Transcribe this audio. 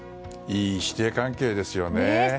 いい師弟関係ですよね。